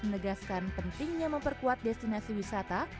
menegaskan pentingnya memperkuat destinasi wisata